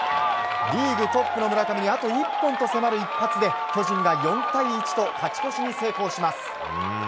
リーグトップの村上にあと１本と迫る一発で巨人が４対１と勝ち越しに成功します。